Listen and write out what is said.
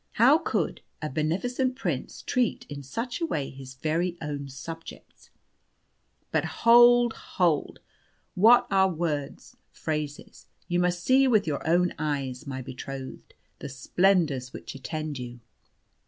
How could a beneficent prince treat in such a way his very own subjects. But hold hold! What are words, phrases? You must see with your own eyes, my betrothed, the splendours which attend you.